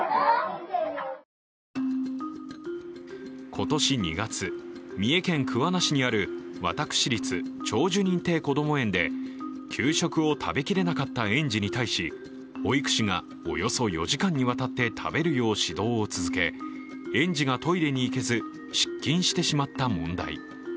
今年２月、三重県桑名市にある私立長寿認定こども園で給食を食べきれなかった園児に対し、保育士がおよそ４時間にわたって食べるよう指導を続け、園児がトイレに行けず、失禁してしまった問題。